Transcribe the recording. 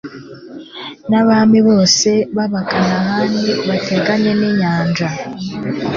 n'abami bose b'abakanahani bateganye n'inyanja